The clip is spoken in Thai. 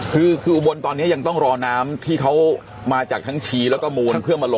คืออุโบนตอนนี้ต้องรอน้ำที่เขามาจากทั้งชีแล้วก็มูล